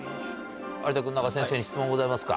有田君何か先生に質問ございますか？